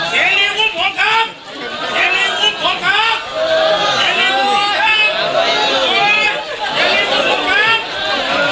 เจลิอุ้มผมครับเจลิอุ้มผมครับเจลิอุ้มผมครับเจลิอุ้มผมครับ